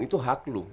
itu hak lo